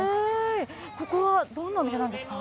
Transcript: ここはどんなお店なんですか？